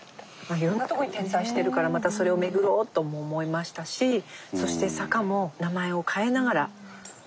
いろんなところに点在してるからまたそれをめぐろうとも思いましたしそして坂も名前を変えながらまだ残っているという。